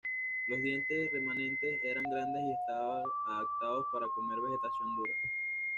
Los dientes remanentes eran grandes y estabas adaptados para comer vegetación dura.